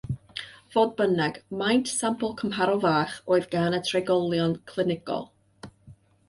Fodd bynnag, maint sampl cymharol fach oedd gan y treialon clinigol.